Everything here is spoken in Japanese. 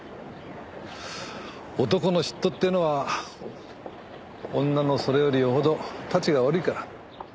男の嫉妬っていうのは女のそれよりよほどたちが悪いから。